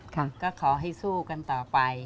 ก็ขอให้สู้กันต่อไป